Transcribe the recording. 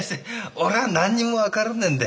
俺ぁ何にも分からねえんで。